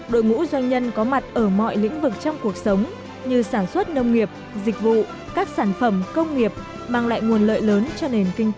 đội ngũ doanh nhân có mặt ở mọi lĩnh vực trong cuộc sống như sản xuất nông nghiệp dịch vụ các sản phẩm công nghiệp mang lại nguồn lợi lớn cho nền kinh tế